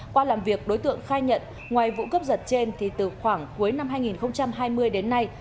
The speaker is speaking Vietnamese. qua làm việc đối tượng khai nhận ngoài vụ cướp giật trên thì từ khoảng cuối năm hai nghìn hai mươi đến nay